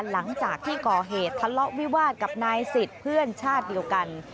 หลังจากที่ก่อเหตุทะเลาะวิวาสกับนายสิทธิ์เพื่อนชาติเดียวกัน